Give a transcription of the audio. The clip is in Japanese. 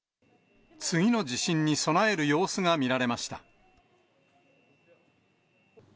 次の地震に備える様子が見られました。